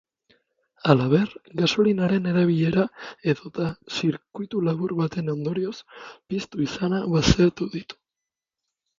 Halaber, gasolinaren erabilera edota zirkuitulabur baten ondorioz piztu izana baztertu ditu.